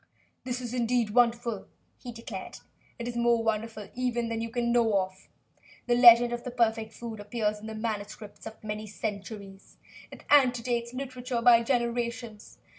"This is indeed wonderful," he declared. "It is more wonderful, even, than you can know of. The legend of the perfect food appears in the manuscripts of many centuries. It antedates literature by generations.